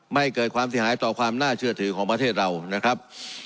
ไม่เกิดความเสียหายต่อความน่าเชื่อถือของประเทศเรานะครับ